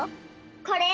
これ！